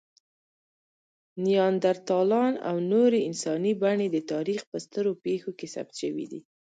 نیاندرتالان او نورې انساني بڼې د تاریخ په سترو پېښو کې ثبت شوي دي.